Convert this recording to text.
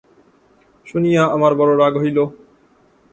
শুনিয়া আমার বড়ো রাগ হইল।